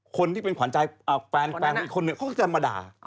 คนที่เป็นขวัญใจแฟนอีกคนนึงเขาก็จะมาด่า